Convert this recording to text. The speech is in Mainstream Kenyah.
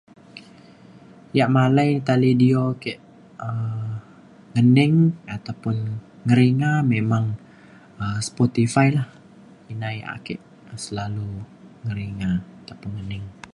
ya' malai talidio ke' um ngening ataupun ngeringa memang um Spotify la. ina ya' ake selalu ngeringa ataupun ngening.